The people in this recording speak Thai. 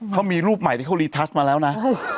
เขามีรูปใหม่ที่เขารีทัสมาแล้วนะ